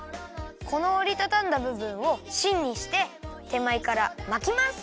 このおりたたんだぶぶんをしんにしててまえからまきます！